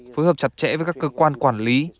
phối hợp chặt chẽ với các cơ quan quản lý